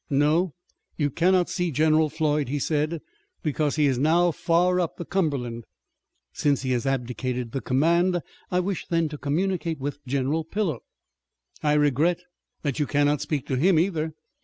"No, you cannot see General Floyd," he said, "because he is now far up the Cumberland." "Since he has abdicated the command I wish then to communicate with General Pillow." "I regret that you cannot speak to him either.